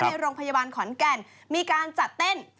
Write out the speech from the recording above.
ในโรงพยาบาลขอนแก่นมีการจัดเต้น